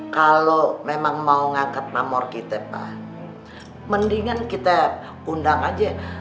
kalau memang mau ngangkat nomor kita mendingan kita undang aja